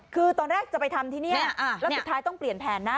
คือตอนแรกจะไปทำที่นี่แล้วสุดท้ายต้องเปลี่ยนแผนนะ